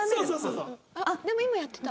でも今やってた。